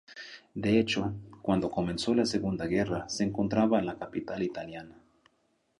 De hecho, cuando comenzó la Segunda Guerra se encontraba en la capital italiana.